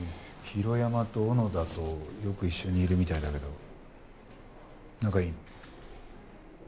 広山と小野田とよく一緒にいるみたいだけど仲いいの？